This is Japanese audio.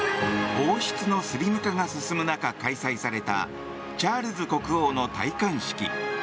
王室のスリム化が進む中開催されたチャールズ国王の戴冠式。